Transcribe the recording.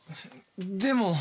でも。